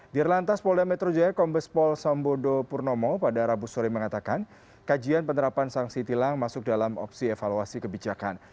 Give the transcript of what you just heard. di relantas polda metro jaya kombespol sambodo purnomo pada rabu sore mengatakan kajian penerapan sanksi tilang masuk dalam opsi evaluasi kebijakan